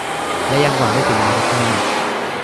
และยังหวังได้ถึงอนาคตข้างหน้า